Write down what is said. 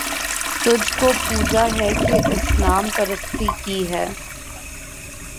تجھ کو پوجا ہے کہ اصنام پرستی کی ہے